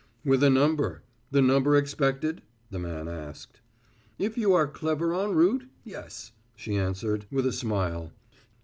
"With a number the number expected?" the man asked. "If you are clever en route yes," she answered, with a smile.